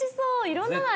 いろんなの。